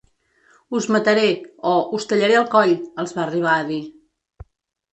“Us mataré” o “Us tallaré el coll”, els va arribar a dir.